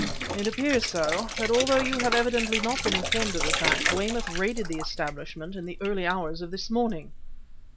"It appears so, but, although you have evidently not been informed of the fact, Weymouth raided the establishment in the early hours of this morning!"